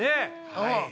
はい。